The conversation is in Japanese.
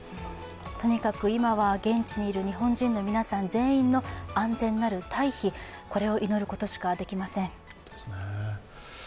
とにかく今は現地にいる日本人の皆さん全員の安全なる退避、これを祈ることしかできません。